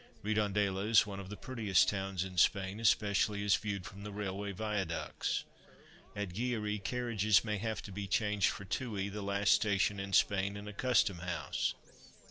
REDONDELA is one of the prettiest towns in Spain, especially as viewed from the railway viaducts. At GUILLAREY carriages may have to be changed for TUY, the last station in Spain and a Custom house.